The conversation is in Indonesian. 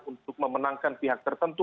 untuk memenangkan pihak tertentu